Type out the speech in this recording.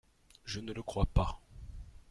Je ne le crois pas.